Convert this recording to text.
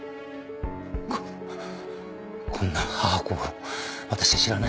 ここんな母娘を私は知らない。